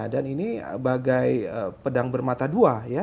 dan ini bagai pedang bermata dua ya